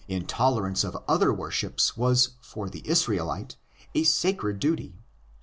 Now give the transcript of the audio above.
Intolerance of other worships was for the Israelite a sacred duty.